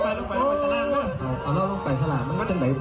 มาเอาตัวของผู้ชายคนนี้ลงจากเวทีนะครับ